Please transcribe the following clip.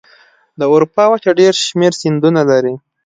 د اروپا وچه ډېر شمیر سیندونه لري.